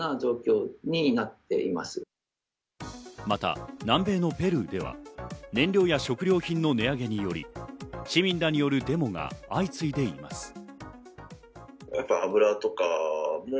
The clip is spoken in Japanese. また南米のペルーでは燃料や食料品の値上げにより、市民らによるデモが相次いでいます。